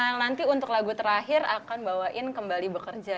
nanti untuk lagu terakhir akan bawain kembali bekerja ya